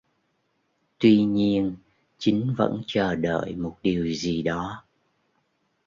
Tuy nhiên chính vẫn chờ đợi một điều gì đó